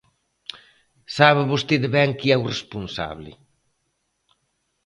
Sabe vostede ben quen é o responsable.